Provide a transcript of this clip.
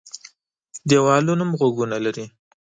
دېوالونو هم غوږونه لري.